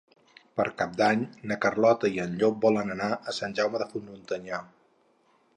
Per Cap d'Any na Carlota i en Llop volen anar a Sant Jaume de Frontanyà.